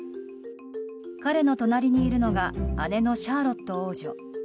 彼の隣にいるのが姉のシャーロット王女。